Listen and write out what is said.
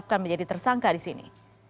akan menjadi tersangka di sini